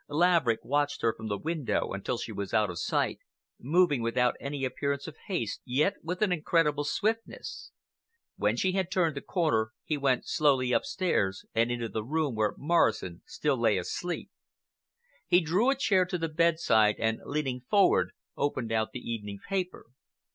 Laverick watched her from the window until she was out of sight, moving without any appearance of haste, yet with an incredible swiftness. When she had turned the corner, he went slowly upstairs and into the room where Morrison still lay asleep. He drew a chair to the bedside and leaning forward opened out the evening paper.